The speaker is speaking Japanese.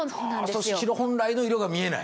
城本来の色が見えない。